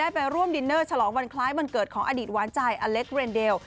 ไปร่วมดินเนอร์ฉลองวันคล้ายวันเกิดของอดีตหวานใจอเล็กเรนเดล